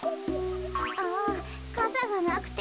あぁかさがなくて。